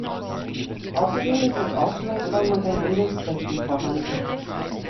Außerdem sind Ausstellungsräume und ein Bildungszentrum vorhanden.